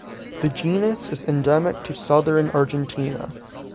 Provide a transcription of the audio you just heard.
The genus is endemic to southern Argentina.